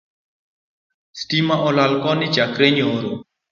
Stima olal Koni chakre nyoro